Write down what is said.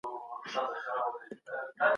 که خپله کلمه وي پردۍ ولې؟